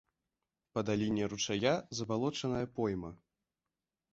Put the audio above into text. Па даліне ручая забалочаная пойма.